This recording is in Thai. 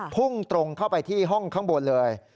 พุ่งตรงเข้าไปที่ห้องข้างบนเลย